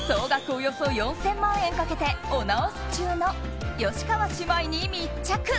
およそ４０００万円かけてお直し中の吉川姉妹に密着！